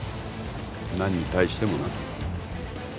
何に対してもな。